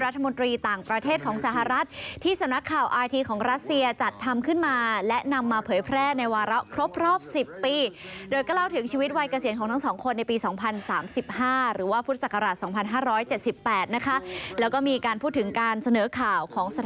สถานีโทรทัศน์อาร์ทีในอีก๒๐ปีข้างหน้า